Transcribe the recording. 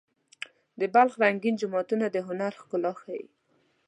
د بلخ رنګین جوماتونه د هنر ښکلا ښيي.